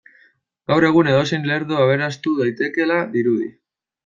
Gaur egun edozein lerdo aberastu daitekeela dirudi.